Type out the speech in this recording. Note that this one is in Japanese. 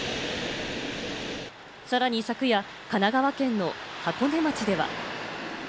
さらに昨夜、神奈川県の箱根町では。